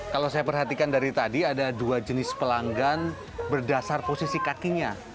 kalau saya perhatikan dari tadi ada dua jenis pelanggan berdasar posisi kakinya